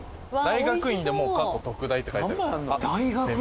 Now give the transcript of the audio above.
大学院でもう「」って書いてある。